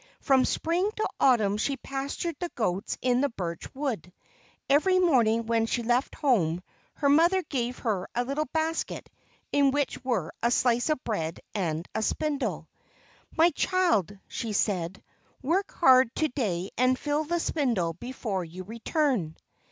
From Spring to Autumn she pastured the goats in the birch wood. Every morning when she left home, her mother gave her a little basket in which were a slice of bread and a spindle. "My child," she said, "work hard to day and fill the spindle before you return."